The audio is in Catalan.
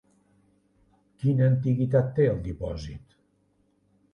Quina antiguitat té el dipòsit?